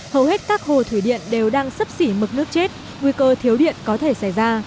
hầu hết các hồ thủy điện đều đang sấp xỉ mực nước chết nguy cơ thiếu điện có thể xảy ra